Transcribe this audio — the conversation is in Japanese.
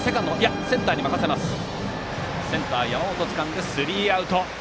センター、山本つかんでスリーアウト。